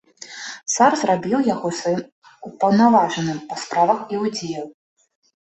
Цар зрабіў яго сваім упаўнаважаным па справах іудзеяў.